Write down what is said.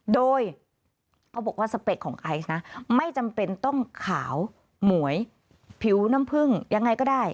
โดยเขาบอกว่าสเปคของไอซ์นะไม่จำเป็นต้องขาวหมวยผิวน้ำผึ้งยังไงก็ได้